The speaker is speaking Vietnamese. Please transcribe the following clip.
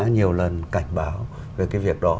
nhiều lần cảnh báo về cái việc đó